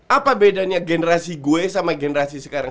apa bedanya generasi gue sama generasi sekarang